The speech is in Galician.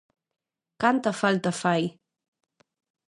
Canta falta fai!